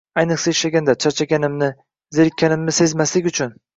Ayniqsa, ishlaganda. Charchaganimni, zerikkanimni sezmaslik uchun.